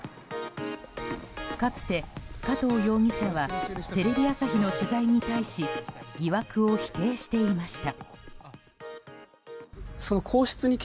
かつて加藤容疑者はテレビ朝日の取材に対し疑惑を否定していました。